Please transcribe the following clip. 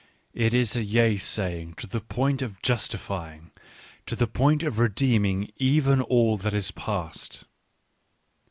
I Ms a yea saying to the point of justifying, to the point of redeeming even all that is past.